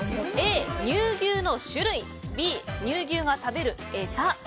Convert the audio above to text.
Ａ、乳牛の種類Ｂ、乳牛が食べる餌。